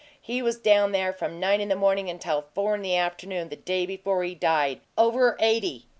He was down there from nine in the morning until four in the afternoon the day before he died over eighty!